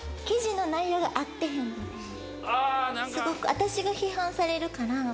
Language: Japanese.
私が批判されるから。